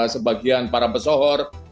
sebagian para pesawat